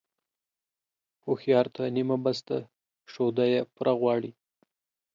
هوښيار ته نيمه بس ده ، شوده يې پوره غواړي.